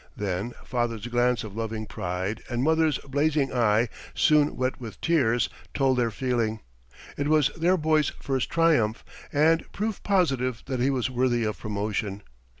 Then father's glance of loving pride and mother's blazing eye soon wet with tears, told their feeling. It was their boy's first triumph and proof positive that he was worthy of promotion.